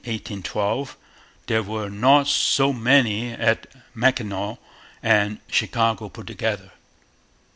In 1812 there were not so many at Mackinaw and Chicago put together.